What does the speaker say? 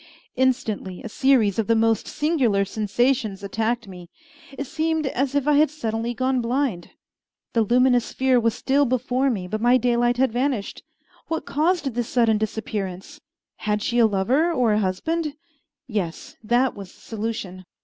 Instantly a series of the most singular sensations attacked me. It seemed as if I had suddenly gone blind. The luminous sphere was still before me, but my daylight had vanished. What caused this sudden disappearance? Had she a lover or a husband? Yes, that was the solution!